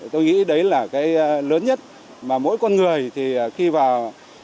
tôi nghĩ đấy là cái lớn nhất mà mỗi con người thì khi vào